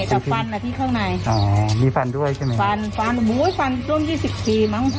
แต่ฟันอ่ะที่ข้างในอ๋อมีฟันด้วยใช่ไหมฟันฟันโอ้โหฟันต้นยี่สิบปีมั้ง